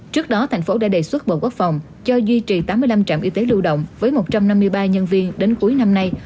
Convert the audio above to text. trước đó thành phố đã đề xuất bộ quốc phòng cho duy trì tám mươi năm trạm y tế lưu động với một trăm năm mươi ba nhân viên đến cuối năm nay